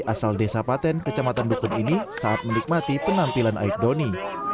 asal desa paten kecamatan dukun ini saat menikmati penampilan aib doni